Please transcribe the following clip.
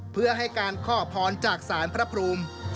เพื่อให้การขอพรจากศาลพระภูมิ